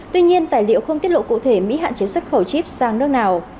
tuy nhiên tài liệu không tiết lộ cụ thể mỹ hạn chế xuất khẩu chip sang nước nào